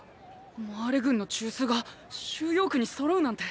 マーレ軍の中枢が収容区にそろうなんて。